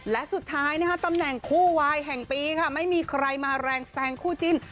และสุดท้ายนะคะตำแหน่งคู่วายแห่งปีค่ะไม่มีใครมาแรงแซงคู่จิ้น